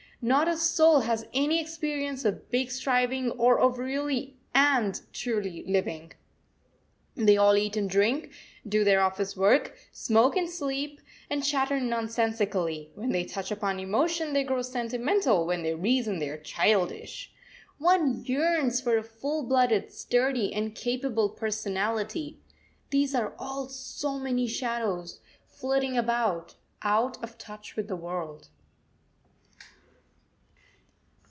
Not a soul has any experience of big striving, or of really and truly living. They all eat and drink, do their office work, smoke and sleep, and chatter nonsensically. When they touch upon emotion they grow sentimental, when they reason they are childish. One yearns for a full blooded, sturdy, and capable personality; these are all so many shadows, flitting about, out of touch with the world.